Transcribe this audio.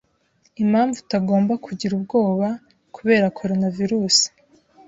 Impamvu utagomba kugira ubwoba kubera coronavirus